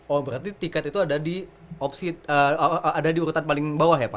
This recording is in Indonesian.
oh berarti tiket itu ada di urutan paling bawah ya pak